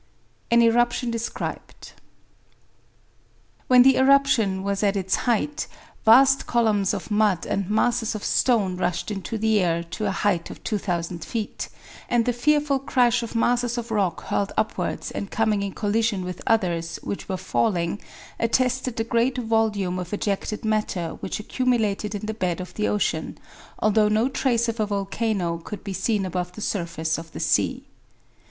AN ERUPTION DESCRIBED When the eruption was at its height vast columns of mud and masses of stone rushed into the air to a height of 2,000 feet, and the fearful crash of masses of rock hurled upwards and coming in collision with others which were falling attested the great volume of ejected matter which accumulated in the bed of the ocean, although no trace of a volcano could be seen above the surface of the sea.